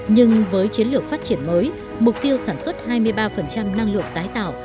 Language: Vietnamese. nhưng với chiến lược phát triển mới mục tiêu sản xuất hai mươi ba năng lượng tái tạo